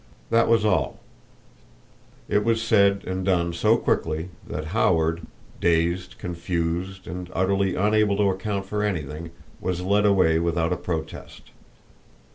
That was all. It was said and done so quickly that Howard, dazed, confused and utterly unable to account for anything, was led away without a protest.